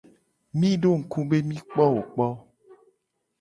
Mi do ngku be mi kpo wo kpo.